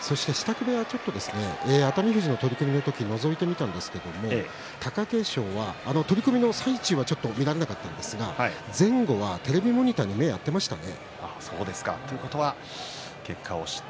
そして熱海富士の取組の時支度部屋をのぞいてみたんですが貴景勝は取組の最中は見られなかったんですが前後はテレビモニターに目をやってましたね。